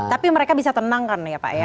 tapi mereka bisa tenangkan ya pak ya